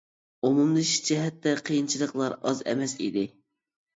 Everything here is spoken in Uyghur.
ئومۇملىشىش جەھەتتە قىيىنچىلىقلار ئاز ئەمەس ئىدى.